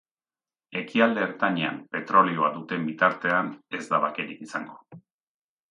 Ekialde Ertainean petrolioa duten bitartean ez da bakerik izango.